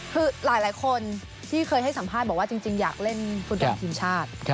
คือหลายคนที่เคยให้สัมภาษณ์บอกว่าจริงอยากเล่นฟุตบอลทีมชาติ